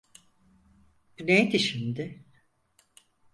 Bu neydi şimdi?